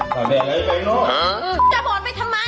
จะหมอนไปทำไม